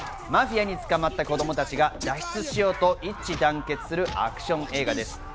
マフィアに捕まった子供たちが脱出しようと一致団結するアクション映画です。